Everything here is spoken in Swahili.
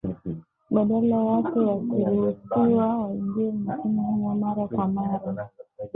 Badala yake wakiruhusiwa waingie nchini humo mara kwa mara.